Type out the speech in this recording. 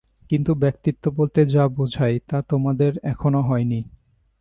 কিন্তু ব্যক্তিত্ব বলতে যা বুঝায়, তা তোমাদের এখনও হয়নি।